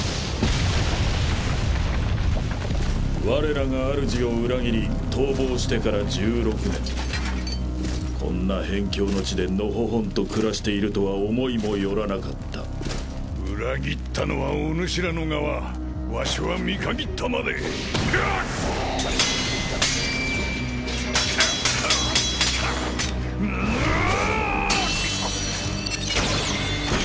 我らが主を裏切り逃亡してから１６年こんな辺境の地でのほほんと暮らしているとは思いもよらなかった裏切ったのはおぬしらの側わしは見限ったまでぬおお！